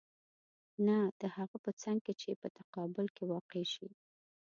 نه د هغه په څنګ کې چې په تقابل کې واقع شي.